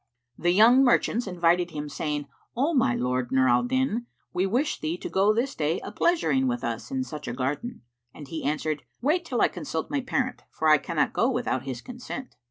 '"[FN#378] The young merchants invited him saying, "O my lord Nur al Din, we wish thee to go this day a pleasuring with us in such a garden." And he answered, "Wait till I consult my parent, for I cannot go without his consent."